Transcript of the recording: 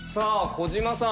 小島さん。